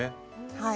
はい。